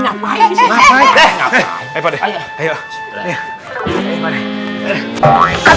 nama utmost jangan inget aja nih